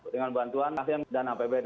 dengan bantuan dan apbd